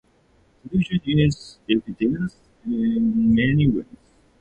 Collusion is evidenced in many ways.